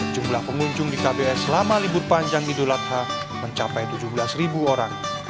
jumlah pengunjung di kbs selama libur panjang idul adha mencapai tujuh belas ribu orang